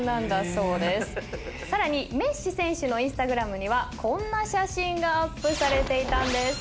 さらにメッシ選手のＩｎｓｔａｇｒａｍにはこんな写真がアップされていたんです。